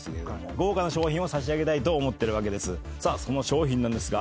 豪華な賞品を差し上げたいと思ってるわけです。